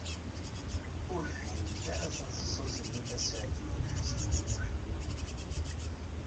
Ur fhiment ara taseḍsut n Lalla Seɛdiya n Ḥsen u Muḥ Lmlud.